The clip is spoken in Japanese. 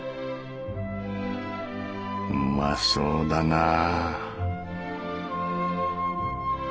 うまそうだなぁ。